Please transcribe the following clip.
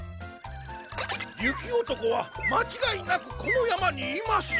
ゆきおとこはまちがいなくこのやまにいます！